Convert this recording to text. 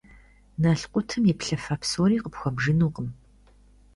Налкъутым и плъыфэ псори къыпхуэбжынукъым.